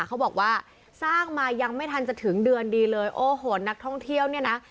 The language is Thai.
เขาบอกว่าสร้างมายังไม่ทันจะถึงเดือนดีเลยโอ้โหนักท่องเที่ยวเนี่ยนะ